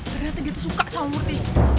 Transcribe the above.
ternyata dia tuh suka sama mbak murti